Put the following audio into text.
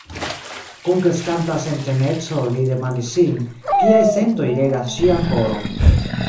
Kun kreskanta sentemeco li demandis sin, kiaj sentoj regas ŝian koron.